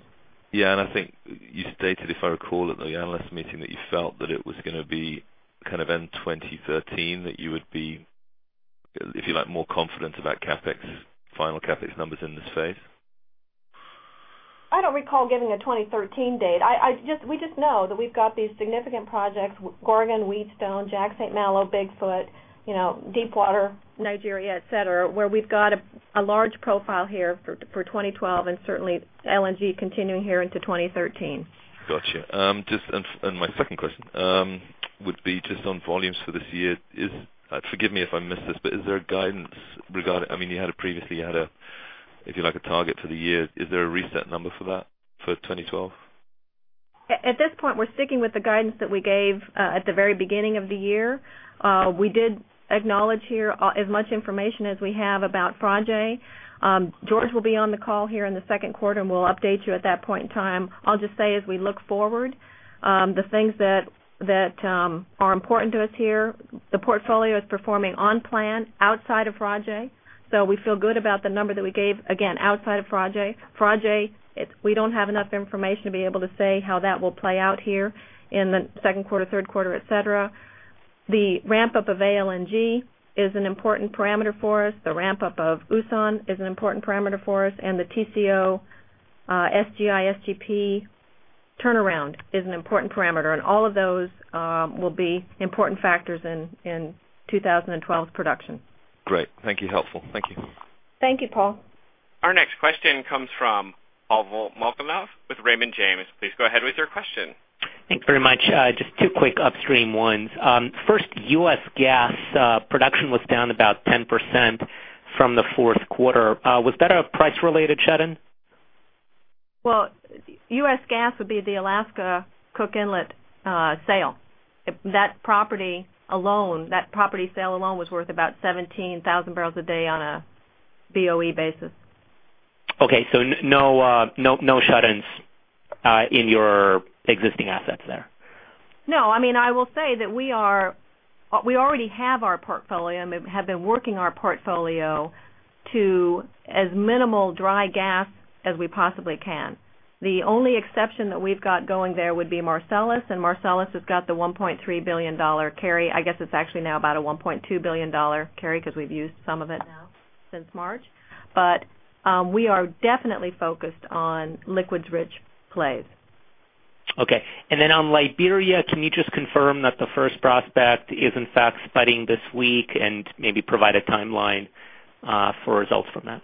Yeah, I think you stated, if I recall, at the analyst meeting that you felt that it was going to be kind of end 2013, that you would be, if you like, more confident about CapEx, final CapEx numbers in this phase. I don't recall giving a 2013 date. We just know that we've got these significant projects: Gorgon, Wheatstone, Jack/St. Malo, Big Foot, deepwater, Nigeria, etc., where we've got a large profile here for 2012 and certainly LNG continuing here into 2013. Gotcha. My second question would be just on volumes for this year. Forgive me if I missed this, but is there a guidance regarding, I mean, you had previously, you had a, if you like, a target for the year. Is there a reset number for that for 2012? At this point, we're sticking with the guidance that we gave at the very beginning of the year. We did acknowledge here as much information as we have about Frade. George will be on the call here in the second quarter, and we'll update you at that point in time. I'll just say as we look forward, the things that are important to us here, the portfolio is performing on plan outside of Frade. We feel good about the number that we gave, again, outside of Frade. Frade, we don't have enough information to be able to say how that will play out here in the second quarter, third quarter, etc. The ramp-up of ALNG is an important parameter for us. The ramp-up of USAN is an important parameter for us. The TCO SGI SGP turnaround is an important parameter. All of those will be important factors in 2012's production. Great. Thank you. Helpful. Thank you. Thank you, Paul. Our next question comes from Pavel Molchanow with Raymond James. Please go ahead with your question. Thanks very much. Just two quick upstream ones. First, U.S. gas production was down about 10% from the fourth quarter. Was that a price-related shedding? U.S. gas would be the Alaska Cook Inlet sale. That property sale alone was worth about 17,000 bblpd on a BOE basis. Okay, so no sheddings in your existing assets there? No, I mean, I will say that we already have our portfolio and have been working our portfolio to as minimal dry gas as we possibly can. The only exception that we've got going there would be Marcellus, and Marcellus has got the $1.3 billion carry. I guess it's actually now about a $1.2 billion carry because we've used some of it now since March. We are definitely focused on liquids-rich plays. Okay. On Liberia, can you just confirm that the first prospect is in fact spudding this week and maybe provide a timeline for results from that?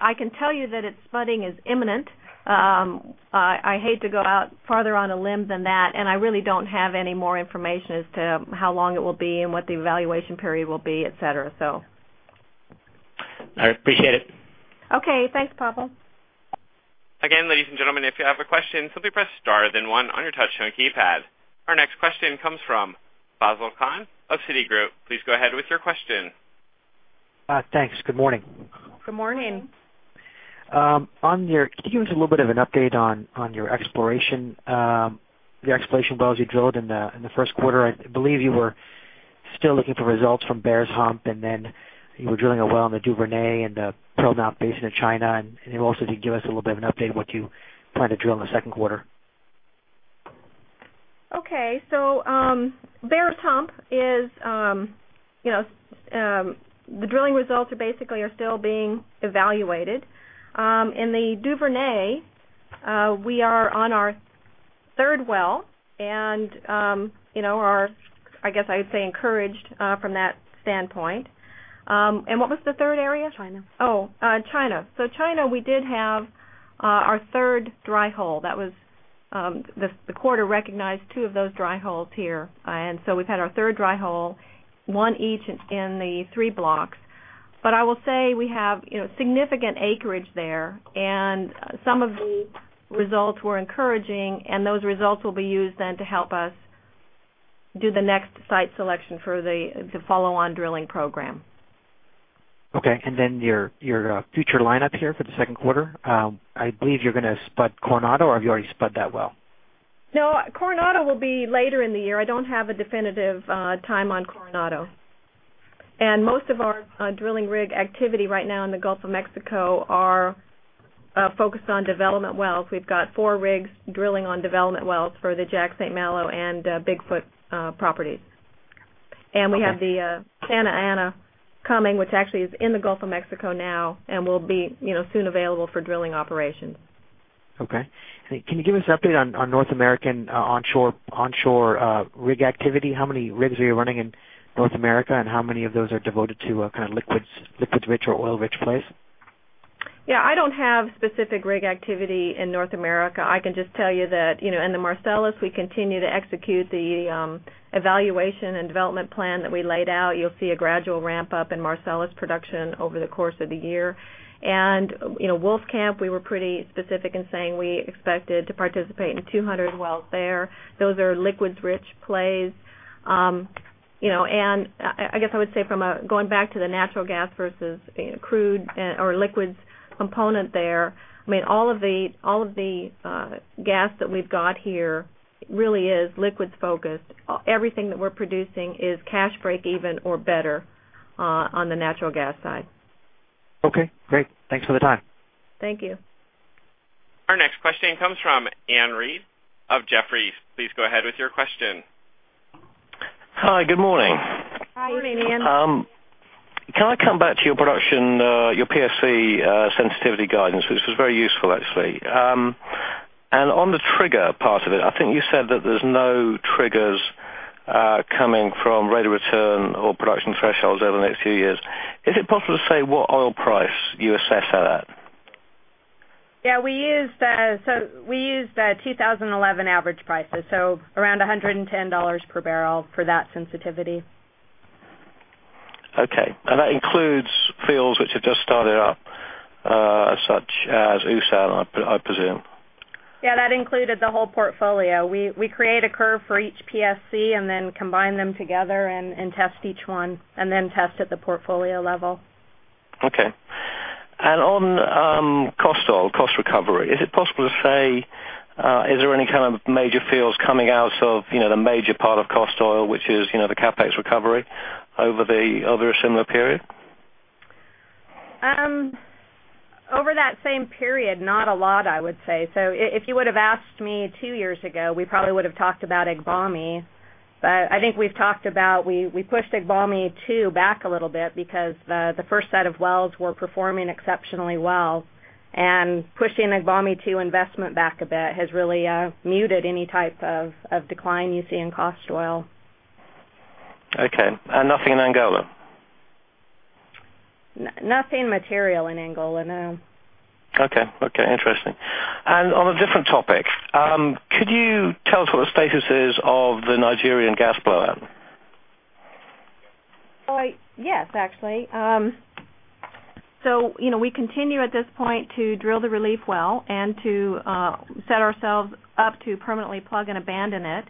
I can tell you that its sputting is imminent. I hate to go out farther on a limb than that. I really don't have any more information as to how long it will be and what the evaluation period will be, etc. All right, appreciate it. Okay, thanks, Pablo. Again, ladies and gentlemen, if you have a question, simply press star then one on your touch-tone keypad. Our next question comes from Fazal Khan of Citi Group. Please go ahead with your question. Thanks. Good morning. Good morning. Can you give us a little bit of an update on your exploration? Your exploration wells you drilled in the first quarter, I believe you were still looking for results from Bear's Hump, and you were drilling a well in the Duvernay and the Pearl Mount Basin of China. Could you give us a little bit of an update on what you plan to drill in the second quarter? Okay, Bear's Hump is, you know, the drilling results are basically still being evaluated. In the DuVernay, we are on our third well and, you know, I guess I would say encouraged from that standpoint. What was the third area? China. Oh, China. China, we did have our third dry hole. That was the quarter recognized two of those dry holes here. We've had our third dry hole, one each in the three blocks. I will say we have significant acreage there, and some of the results were encouraging, and those results will be used then to help us do the next site selection for the follow-on drilling program. Okay. Your future lineup here for the second quarter, I believe you're going to spud Coronado, or have you already spud that well? No, Coronado will be later in the year. I don't have a definitive time on Coronado. Most of our drilling rig activity right now in the Gulf of Mexico is focused on development wells. We've got four rigs drilling on development wells for the Jack St. Malo and Big Foot properties. We have the Santa Ana coming, which actually is in the Gulf of Mexico now and will be soon available for drilling operations. Okay. Can you give us an update on North American onshore rig activity? How many rigs are you running in North America, and how many of those are devoted to kind of liquids-rich or oil-rich plays? I don't have specific rig activity in North America. I can just tell you that in the Marcellus, we continue to execute the evaluation and development plan that we laid out. You'll see a gradual ramp-up in Marcellus production over the course of the year. Wolf Camp, we were pretty specific in saying we expected to participate in 200 wells there. Those are liquids-rich plays. I would say going back to the natural gas versus crude or liquids component there, all of the gas that we've got here really is liquids-focused. Everything that we're producing is cash break even or better on the natural gas side. Okay, great. Thanks for the time. Thank you. Our next question comes from Iain Reid of Jefferies. Please go ahead with your question. Hi, good morning. Hi, good morning, Anne. Can I come back to your production, your PSC sensitivity guidance, which was very useful, actually? On the trigger part of it, I think you said that there's no triggers coming from rate of return or production thresholds over the next few years. Is it possible to say what oil price you assess at that? Yeah, we used 2011 average prices, so around $11/bbl for that sensitivity. Okay. That includes fuels which have just started up, such as USAN, I presume? Yeah, that included the whole portfolio. We create a curve for each PSC, then combine them together and test each one, then test at the portfolio level. Okay. On cost oil, cost recovery, is it possible to say is there any kind of major fuels coming out of the major part of cost oil, which is the CapEx recovery over a similar period? Over that same period, not a lot, I would say. If you would have asked me two years ago, we probably would have talked about Agbame. I think we've talked about we pushed Agbame II back a little bit because the first set of wells weren't performing exceptionally well. Pushing Agbame II investment back a bit has really muted any type of decline you see in cost oil. Okay. Nothing in Angola? Nothing material in Angola, no. Okay. Okay, interesting. On a different topic, could you tell us what the status is of the Nigerian gas blowout? Yes, actually. We continue at this point to drill the relief well and to set ourselves up to permanently plug and abandon it.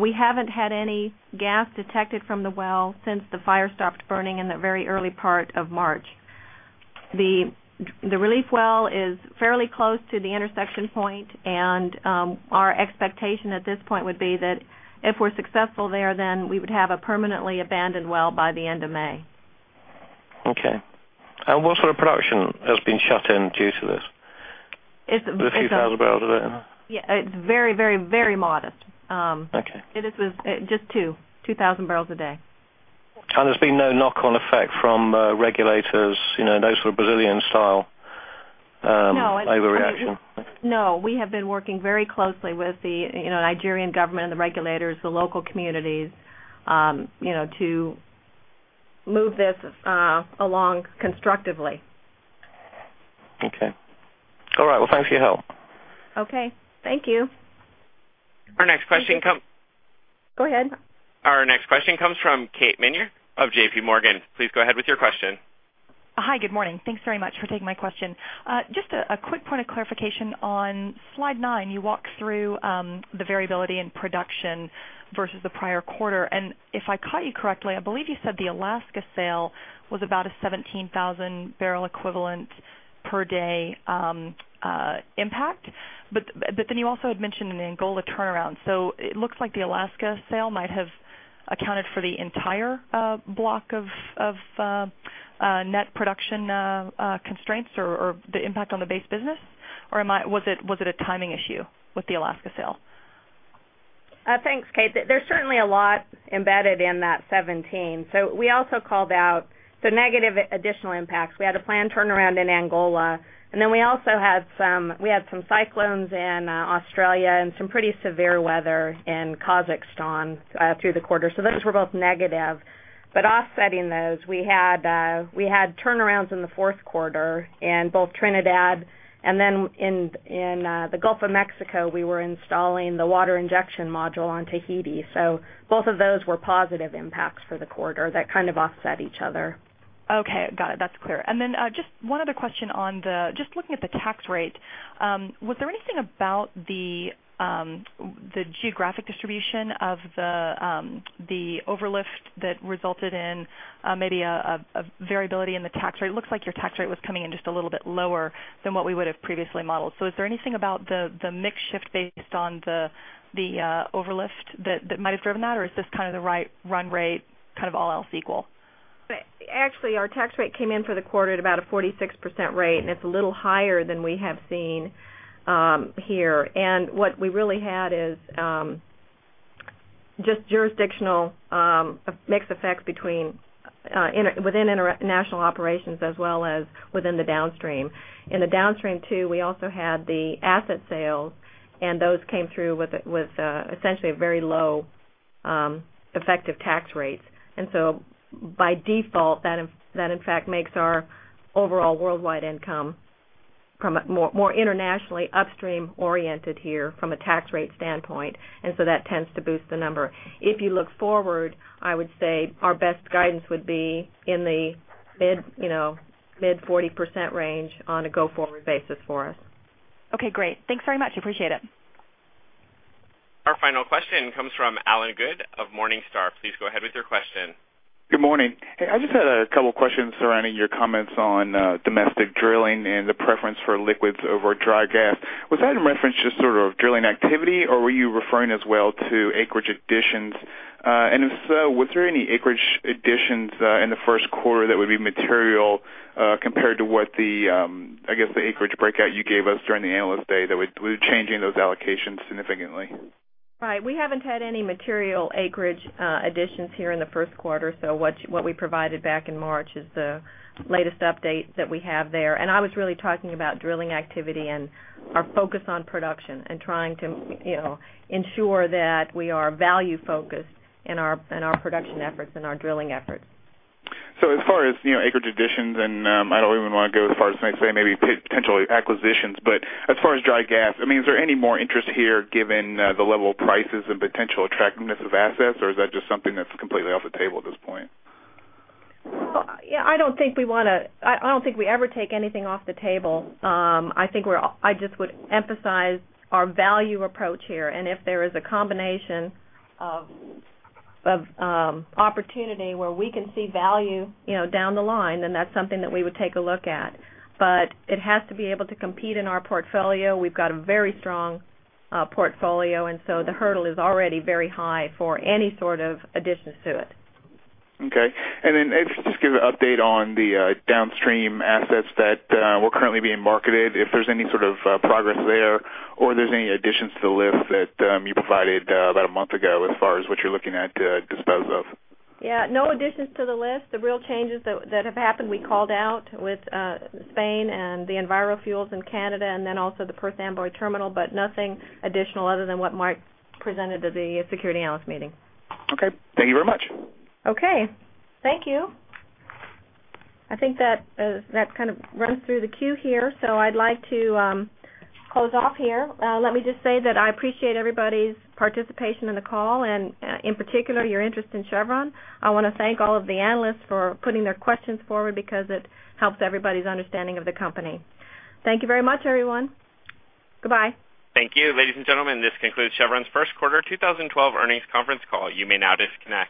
We haven't had any gas detected from the well since the fire stopped burning in the very early part of March. The relief well is fairly close to the intersection point, and our expectation at this point would be that if we're successful there, then we would have a permanently abandoned well by the end of May. Okay. What sort of production has been shut in due to this? It's very, very modest. Okay. It was just 2,000 bblpd. There's been no knock-on effect from regulators, you know, no sort of Brazilian-style overreaction? No, we have been working very closely with the Nigerian government, the regulators, and the local communities to move this along constructively. Okay. All right. Thanks for your help. Okay. Thank you. Our next question comes. Go ahead. Our next question comes from Kate Minyard of JPMorgan. Please go ahead with your question. Hi, good morning. Thanks very much for taking my question. Just a quick point of clarification on slide nine, you walk through the variability in production versus the prior quarter. If I caught you correctly, I believe you said the Alaska sale was about a 17,000 bbl equivalent per day impact. You also had mentioned the Angola turnaround. It looks like the Alaska sale might have accounted for the entire block of net production constraints or the impact on the base business. Was it a timing issue with the Alaska sale? Thanks, Kate. There's certainly a lot embedded in that 17. We also called out the negative additional impacts. We had a planned turnaround in Angola, and we also had some cyclones in Australia and some pretty severe weather in Kazakhstan through the quarter. Those were both negative. Offsetting those, we had turnarounds in the fourth quarter in both Trinidad, and in the Gulf of Mexico we were installing the water injection module on Tahiti. Both of those were positive impacts for the quarter that kind of offset each other. Okay, got it. That's clear. Just one other question on the just looking at the tax rate. Was there anything about the geographic distribution of the overlift that resulted in maybe a variability in the tax rate? It looks like your tax rate was coming in just a little bit lower than what we would have previously modeled. Is there anything about the mix shift based on the overlift that might have driven that, or is this kind of the right run rate, kind of all else equal? Actually, our tax rate came in for the quarter at about a 46% rate, and it's a little higher than we have seen here. What we really had is just jurisdictional mix effects within international operations as well as within the downstream. In the downstream too, we also had the asset sales, and those came through with essentially very low effective tax rates. By default, that in fact makes our overall worldwide income more internationally upstream oriented here from a tax rate standpoint, and that tends to boost the number. If you look forward, I would say our best guidance would be in the mid-40% range on a go-forward basis for us. Okay, great. Thanks very much. Appreciate it. Our final question comes from Allen Good of Morningstar. Please go ahead with your question. Good morning. I just had a couple of questions surrounding your comments on domestic drilling and the preference for liquids over dry gas. Was that in reference to sort of drilling activity, or were you referring as well to acreage additions? If so, was there any acreage additions in the first quarter that would be material compared to what the, I guess, the acreage breakout you gave us during the analyst day that was changing those allocations significantly? Right. We haven't had any material acreage additions here in the first quarter. What we provided back in March is the latest update that we have there. I was really talking about drilling activity and our focus on production and trying to ensure that we are value-focused in our production efforts and our drilling efforts. As far as acreage additions, and I don't even want to go as far as to say maybe potential acquisitions, as far as dry gas, is there any more interest here given the level of prices and potential attractiveness of assets, or is that just something that's completely off the table at this point? I don't think we ever take anything off the table. I think I just would emphasize our value approach here. If there is a combination of opportunity where we can see value down the line, then that's something that we would take a look at. It has to be able to compete in our portfolio. We've got a very strong portfolio, and so the hurdle is already very high for any sort of additions to it. Okay. If you just give an update on the downstream assets that were currently being marketed, if there's any sort of progress there or there's any additions to the list that you provided about a month ago as far as what you're looking at to dispose of. Yeah, no additions to the list. The real changes that have happened, we called out with Spain and the Enviro Fuels in Canada, and then also the Perth Amboy Terminal, but nothing additional other than what Mark presented at the Security Analyst Meeting. Okay, thank you very much. Okay. Thank you. I think that kind of runs through the queue here. I'd like to close off here. Let me just say that I appreciate everybody's participation in the call and in particular your interest in Chevron. I want to thank all of the analysts for putting their questions forward because it helps everybody's understanding of the company. Thank you very much, everyone. Goodbye. Thank you, ladies and gentlemen. This concludes Chevron's first quarter 2012 earnings conference call. You may now disconnect.